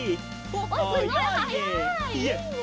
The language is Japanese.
おっすごいはやい！